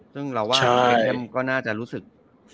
ซึ่งเราว่าก็น่าจะรู้สึก